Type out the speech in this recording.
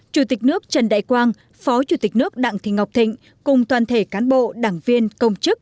chủ tịch nước trần đại quang phó chủ tịch nước đặng thị ngọc thịnh cùng toàn thể cán bộ đảng viên công chức